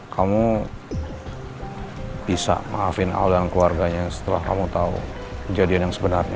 kamu bisa maafin allah dan keluarganya setelah kamu tahu kejadian yang sebenarnya